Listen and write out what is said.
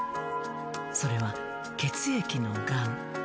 それは血液のがん。